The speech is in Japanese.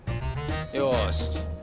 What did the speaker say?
よし。